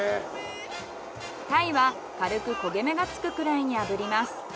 鯛は軽く焦げ目がつくくらいに炙ります。